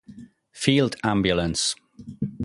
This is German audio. Field Ambulance".